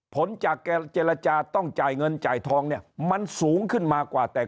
ผลจากเจรจาต้องจ่ายเงินจ่ายทองเนี่ยมันสูงขึ้นมากว่าแต่